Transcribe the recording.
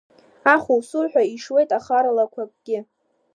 Ахусуҳәа ишуеит ахара лақәакгьы.